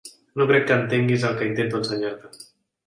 No crec que entenguis el que intento ensenyar-te.